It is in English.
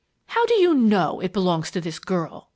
"How do you know it belongs to this girl?"